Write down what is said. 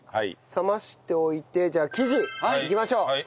冷ましておいてじゃあ生地いきましょう。